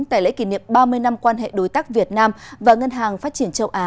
tại lễ kỷ niệm ba mươi năm quan hệ đối tác việt nam và ngân hàng phát triển châu á